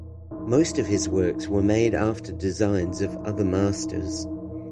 Most of his works were made after designs of other masters.